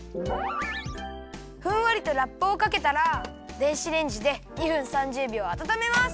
ふんわりとラップをかけたら電子レンジで２分３０びょうあたためます。